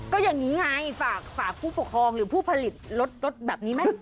ก็อย่างนี้ไงฝากผู้ปกครองหรือผู้ผลิตรถแบบนี้ไหม